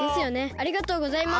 ありがとうございます。